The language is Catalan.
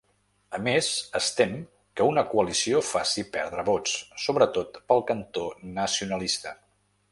A més, es tem que una coalició faci perdre vots, sobretot pel cantó nacionalista.